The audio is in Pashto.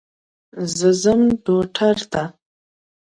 زه ځم دوتر ته.